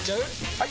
・はい！